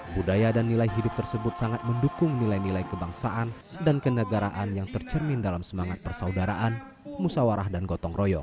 budaya dan nilai hidup tersebut sangat mendukung nilai nilai kebangsaan dan kenegaraan yang tercermin dalam semangat persaudaraan musawarah dan gotong royong